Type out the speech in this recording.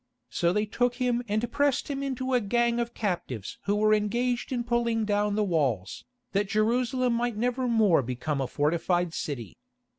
So they took him and pressed him into a gang of captives who were engaged in pulling down the walls, that Jerusalem might nevermore become a fortified city.